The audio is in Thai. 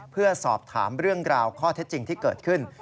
เพื่อสอบถามเรื่องราวข้อเท็จจริงที่เกิดขึ้น